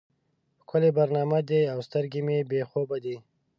ښکلي پر نارامه دي او سترګې مې بې خوبه دي.